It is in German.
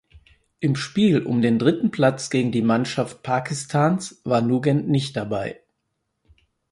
Im Spiel um den dritten Platz gegen die Mannschaft Pakistans war Nugent nicht dabei.